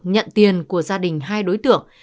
nhận tiền của gia đình hai đối tượng